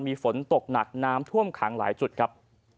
มีฝนตกหนักน้ำท่วมขังหลายจุดครับ